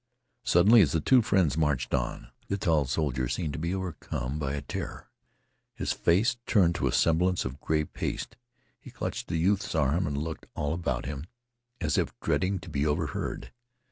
Suddenly, as the two friends marched on, the tall soldier seemed to be overcome by a terror. His face turned to a semblance of gray paste. He clutched the youth's arm and looked all about him, as if dreading to be overheard.